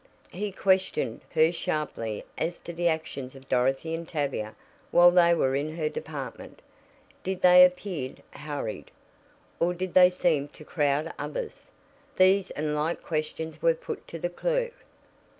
He questioned her sharply as to the actions of Dorothy and Tavia while they were in her department. Did they appear hurried, or did they seem to crowd others? These and like questions were put to the clerk.